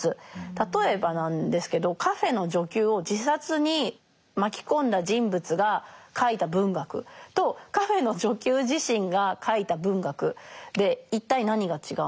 例えばなんですけどカフェーの女給を自殺に巻き込んだ人物が書いた文学とカフェーの女給自身が書いた文学で一体何が違うのか。